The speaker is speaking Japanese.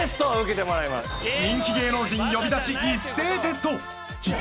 ［人気芸能人呼び出し一斉テスト］